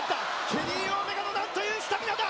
ケニー・オメガのなんというスタミナだ！